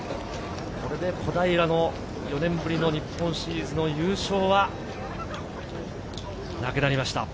これで小平の４年ぶりの日本シリーズの優勝は、なくなりました。